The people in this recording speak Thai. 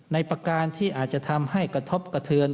ประการที่อาจจะทำให้กระทบกระเทือน